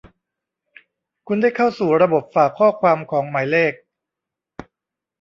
คุณได้เข้าสู่ระบบฝากข้อความของหมายเลข